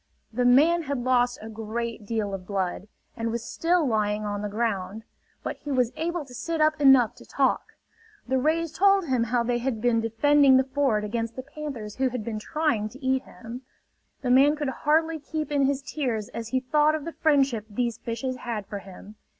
The man had lost a great deal of blood, and was still lying on the ground; but he was able to sit up enough to talk. The rays told him how they had been defending the ford against the panthers who had been trying to eat him. The man could hardly keep in his tears as he thought of the friendship these fishes had for him.